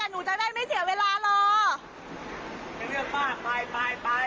อ่ะหนูจะได้ไม่เสียเวลาหรอไปไปไปอย่ามาแตกต้องตัวหนู